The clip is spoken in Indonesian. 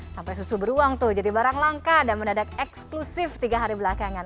sampai susu beruang tuh jadi barang langka dan mendadak eksklusif tiga hari belakangan